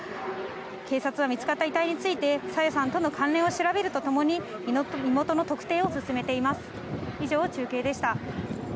警察は見つかった遺体について、朝芽さんとの関連を調べるとともに、身元の特定を進めています。